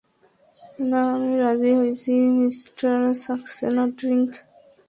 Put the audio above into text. না আমি রাজি হইছি মিস্টার সাক্সেনা, ড্রিংক?